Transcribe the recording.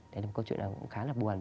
thế là một câu chuyện khá là buồn